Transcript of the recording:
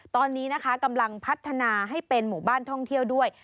ตอนนี้นะคะกำลังพัฒนาให้เป็นหมู่บ้านท่องเที่ยวด้วย